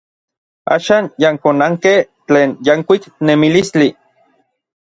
Axan yankonankej tlen yankuik nemilistli.